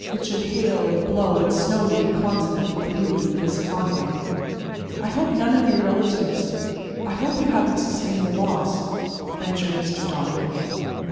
It should hail and blow and snow to be consonant with the mood of Miss Conway. "I hope none of your relatives—I hope you haven't sustained a loss?" ventured Mr. Donovan.